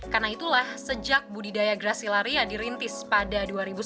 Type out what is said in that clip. karena itulah sejak budidaya gracilaria dirintis pada dua ribu sembilan